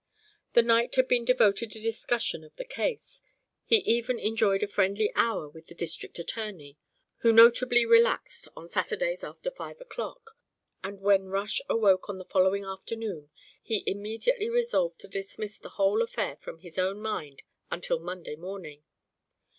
The night had been devoted to discussion of the case; he even enjoyed a friendly hour with the district attorney, who notably relaxed on Saturdays after five o'clock; and when Rush awoke on the following afternoon he immediately resolved to dismiss the whole affair from his own mind until Monday morning.